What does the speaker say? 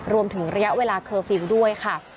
รวมถึงระยะเวลาเคอร์ฟิลล์ด้วยค่ะ